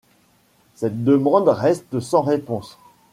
Cette demande reste sans réponse.